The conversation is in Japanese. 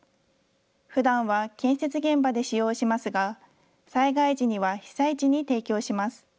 ふだんは建設現場で使用しますが、災害時には被災地に提供します。